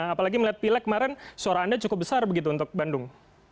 apalagi melihat pileg kemarin suara anda cukup besar begitu untuk bandung